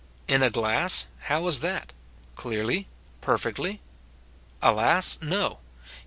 "In a glass," how is that? Clearly, perfectly? Alas, * Heb.